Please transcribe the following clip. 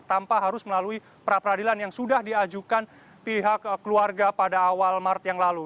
tanpa harus melalui pra peradilan yang sudah diajukan pihak keluarga pada awal maret yang lalu